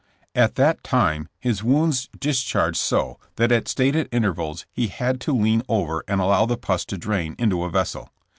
'' At that time his wounds discharged so that at stated intervals he had to lean over and allow the pus to drain into a vessel.